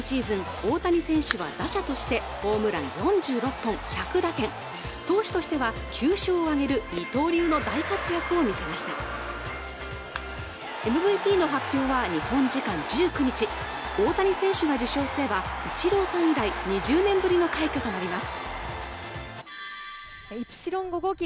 大谷選手は打者としてホームラン４６本１００打点投手としては９勝を挙げる二刀流の大活躍を見せましたＭＶＰの発表は日本時間１９日大谷選手が受賞すればイチローさん以来２０年ぶりの快挙となります